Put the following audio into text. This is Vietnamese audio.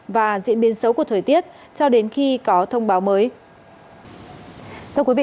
và diễn biến xấu của thời tiết cho đến khi có thông báo mới